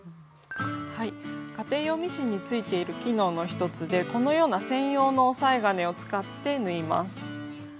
家庭用ミシンについている機能の一つでこのような専用の押さえ金を使って縫います。